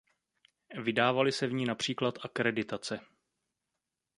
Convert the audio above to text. Vydávaly se v ní například akreditace.